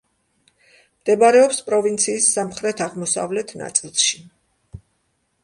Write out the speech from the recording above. მდებარეობს პროვინციის სამხრეთ-აღმოსავლეთ ნაწილში.